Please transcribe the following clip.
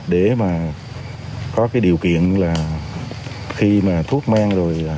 để mà có cái điều kiện là khi mà thuốc men rồi